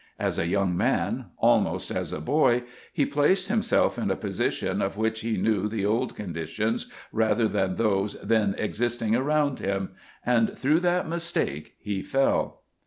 As a young man, almost as a boy, he placed himself in a position of which he knew the old conditions rather than those then existing around him and through that mistake he fell.